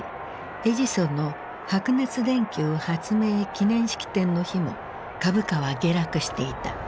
エジソンの白熱電球発明記念式典の日も株価は下落していた。